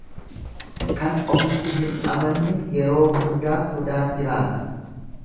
Kan ofitti hin amanne yeroo hundaa sodaan jiraata.